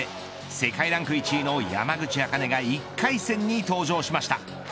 世界ランク１位の山口茜が１回戦に登場しました。